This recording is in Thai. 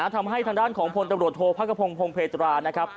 ทำให้ทางด้านของพลตำรวจโทษพระกระพงพลพเทรา